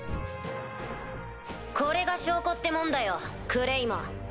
これが証拠ってもんだよクレイマン。